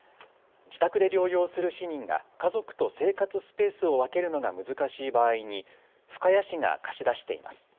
自宅で療養する市民が家族と生活スペースを分けるのが難しい場合に深谷市が貸し出しています。